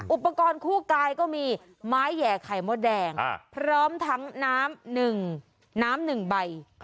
อุปกรณ์คู่กายก็มีไม้แห่ไข่มดแดงพร้อมทั้งน้ำ๑น้ำ๑ใบ